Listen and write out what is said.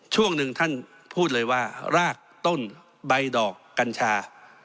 ช่วงหนึ่งท่านพูดเลยว่ารากต้นใบดอกกัญชา